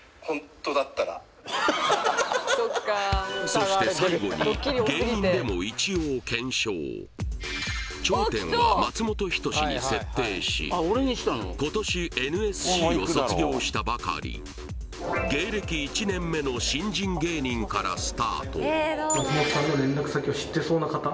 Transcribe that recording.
そして最後に芸人でも一応検証頂点は松本人志に設定し今年ＮＳＣを卒業したばかり芸歴１年目の新人芸人からスタート